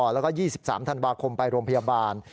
แล้วก็๒๓ธันวาคมไปโรงพยาบาล